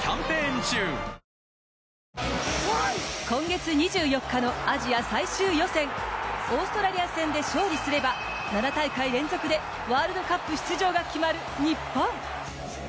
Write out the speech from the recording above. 今月２４日のアジア最終予選オーストラリア戦で勝利すれば７大会連続でワールドカップ出場が決まる日本。